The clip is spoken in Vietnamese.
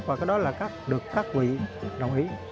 và cái đó là được các vị đồng ý